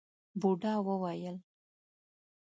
بوډا وويل: